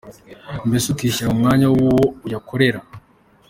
mbese ukishyira mu mwanya wuwo uyakorera.